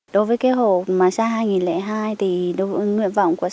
đối với cái hồ mà xa hai nghìn hai thì đối với nguyện vọng của nó là